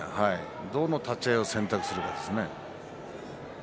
どの立ち合いを選択するかですね。